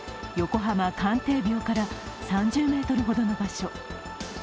横浜関帝廟から３０ｍほどの場所。